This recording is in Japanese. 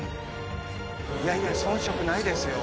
いやいや遜色ないですよ